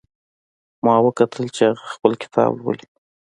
ما وکتل چې هغه خپل کتاب لولي